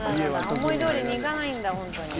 思いどおりにいかないんだホントに。